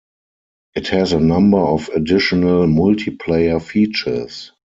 It has a number of additional multiplayer features.